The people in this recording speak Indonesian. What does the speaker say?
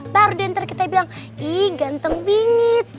baru deh ntar kita bilang ih ganteng bingits